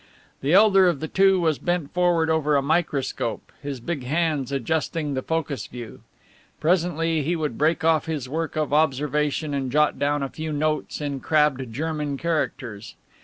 The elder of the two was bent forward over a microscope, his big hands adjusting the focus screw. Presently he would break off his work of observation and jot down a few notes in crabbed German characters.